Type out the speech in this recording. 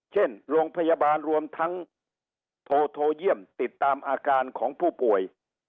เช่นโรงพยาบาลรวมทั้งโทรเยี่ยมติดตามอาการของผู้ป่วย